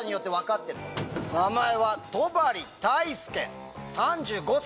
名前は戸張泰佑３５歳。